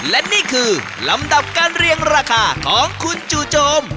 และนี่คือลำดับการเรียงราคาของคุณจู่โจม